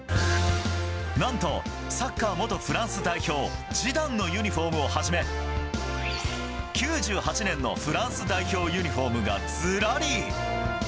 なんと、サッカー元フランス代表、ジダンのユニホームをはじめ、９８年のフランス代表ユニホームがずらり。